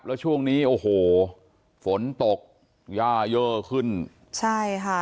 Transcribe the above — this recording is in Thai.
แล้วช่วงนี้โอ้โหฝนตกย่าเยอะขึ้นใช่ค่ะ